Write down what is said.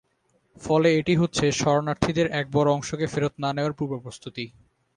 ফলে এটি হচ্ছে শরণার্থীদের এক বড় অংশকে ফেরত না নেওয়ার পূর্বপ্রস্তুতি।